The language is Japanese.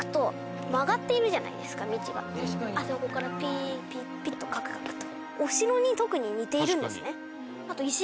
あそこからピーピッピッとカクカクと。